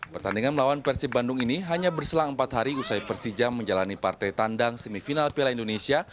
pertandingan melawan persib bandung ini hanya berselang empat hari usai persija menjalani partai tandang semifinal piala indonesia